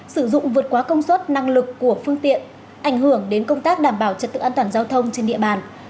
sử dụng vượt quá công suất năng lực của phương tiện ảnh hưởng đến công tác đảm bảo trật tự an toàn giao thông trên địa bàn